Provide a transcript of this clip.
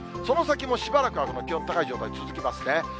その先もしばらくは、この気温高い状態続きますね。